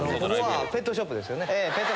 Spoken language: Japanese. ええペットショップですよ。